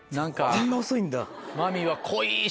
あんな遅いんだ。